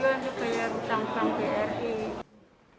amicu aja bayar utang utang bri